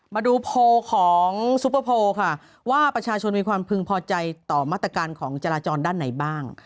มาดูโพลของซุปเปอร์โพลค่ะว่าประชาชนมีความพึงพอใจต่อมาตรการของจราจรด้านไหนบ้าง